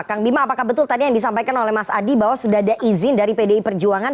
kang bima apakah betul tadi yang disampaikan oleh mas adi bahwa sudah ada izin dari pdi perjuangan